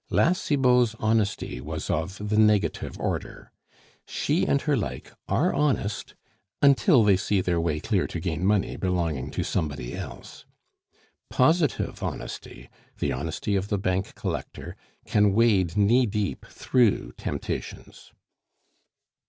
La Cibot's honesty was of the negative order; she and her like are honest until they see their way clear to gain money belonging to somebody else. Positive honesty, the honesty of the bank collector, can wade knee deep through temptations.